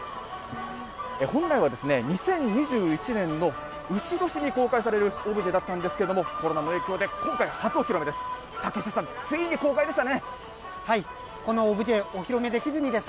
本来はですね、２０２１年のうし年に公開されるオブジェだったんですけれども、コロナの影響で、今回が初お披露目です。